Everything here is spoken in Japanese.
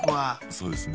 そうですね。